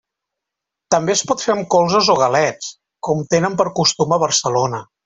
També es pot fer amb colzes o galets, com tenen per costum a Barcelona.